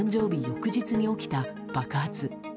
翌日に起きた爆発。